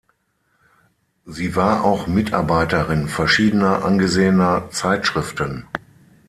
Sie war auch Mitarbeiterin verschiedener angesehener Zeitschriften.